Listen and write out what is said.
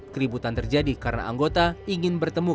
keributan terjadi karena anggota ingin bertemu